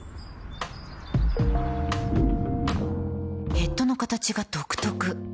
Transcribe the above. ヘッドの形が独特